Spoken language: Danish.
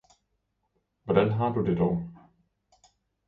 Hvordan har du det dog?